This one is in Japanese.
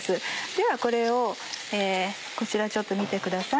ではこれをこちらちょっと見てください。